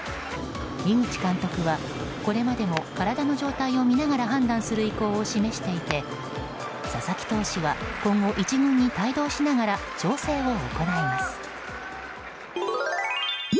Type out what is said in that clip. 井口監督はこれまでも体の状態を見ながら判断する意向を示していて佐々木投手は今後１軍に帯同しながら調整を行います。